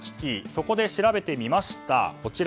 そこで調べてみました。